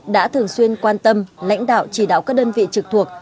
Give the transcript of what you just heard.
đã thường xuyên quan tâm lãnh đạo chỉ đạo các đơn vị trực thuộc